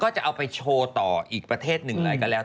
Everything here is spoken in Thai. จะเอาไปโชว์ต่ออีกประเทศหนึ่งเลยก็แล้ว